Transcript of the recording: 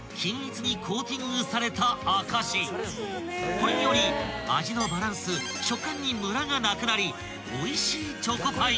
［これにより味のバランス食感にムラがなくなりおいしいチョコパイに］